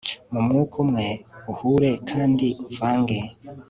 mu mwuka umwe uhure kandi uvange